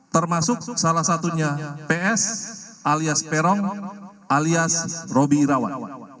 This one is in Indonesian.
termasuk salah satunya ps alias peron alias roby irawan